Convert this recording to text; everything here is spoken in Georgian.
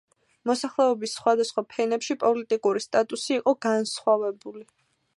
მოსახლეობის სხვადასხვა ფენებში პოლიტიკური სტატუსი იყო განსხვავებული.